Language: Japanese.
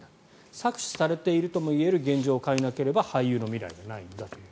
搾取されているともいえる現状を変えなければ俳優の未来はないんだという。